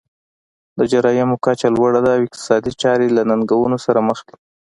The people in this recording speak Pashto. د جرایمو کچه لوړه ده او اقتصادي چارې له ننګونو سره مخ دي.